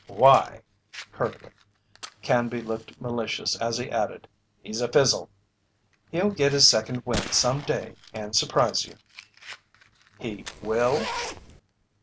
"Why?" curtly. Canby looked malicious as he added: "He's a fizzle." "He'll get his second wind some day and surprise you." "He will?"